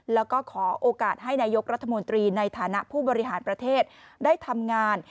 แล้วก็ขอโอกาสให้นายกรัฐมนตรีในฐานะผู้บริหารประเทศได้ทำงาน